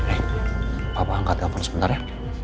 eh papa angkat telepon sebentar ya